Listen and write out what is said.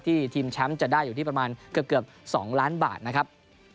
ทีมแชมป์จะได้อยู่ที่ประมาณเกือบ๒ล้านบาทนะครับ